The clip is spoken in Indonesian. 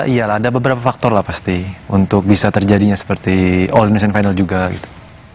iya lah ada beberapa faktor lah pasti untuk bisa terjadinya seperti all indonesian final juga gitu